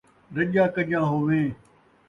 رَڄّا کڄّا ہوویں